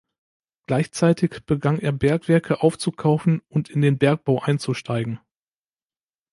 Gleichzeitig begann er Bergwerke aufzukaufen und in den Bergbau einzusteigen.